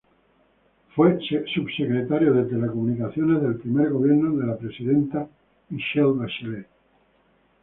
Fue subsecretario de Telecomunicaciones del primer gobierno de la presidenta Michelle Bachelet.